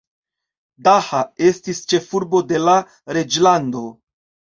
Daha estis ĉefurbo de la reĝlando.